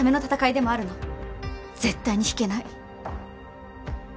絶対に引けない。